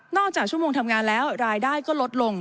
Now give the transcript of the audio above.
จากชั่วโมงทำงานแล้วรายได้ก็ลดลง